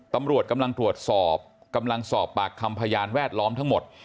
ตำรวจกำลังตรวจสอบปากคำพยานแวดล้อมทั้งหมด